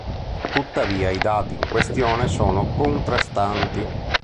Tuttavia, i dati in questione sono contrastanti.